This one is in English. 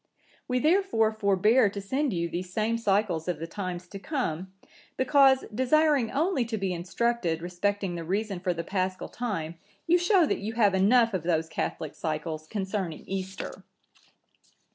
We therefore forbear to send you these same cycles of the times to come, because, desiring only to be instructed respecting the reason for the Paschal time, you show that you have enough of those catholic cycles concerning Easter.